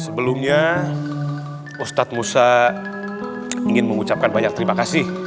sebelumnya ustadz musa ingin mengucapkan banyak terima kasih